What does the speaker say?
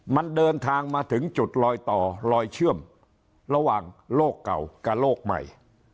มันเดินทางมาถึงจุดลอยต่อลอยเชื่อมระหว่างโลกเก่ากับโลกใหม่